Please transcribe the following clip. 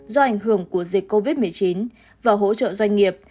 do ảnh hưởng của dịch covid một mươi chín và hỗ trợ doanh nghiệp